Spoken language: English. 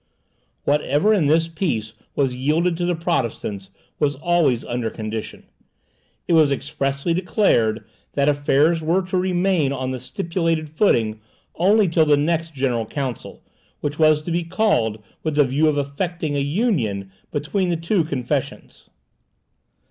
Whatever in this peace was yielded to the Protestants was always under condition. It was expressly declared, that affairs were to remain on the stipulated footing only till the next general council, which was to be called with the view of effecting an union between the two confessions.